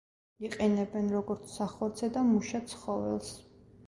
იყენებენ როგორც სახორცე და მუშა ცხოველს.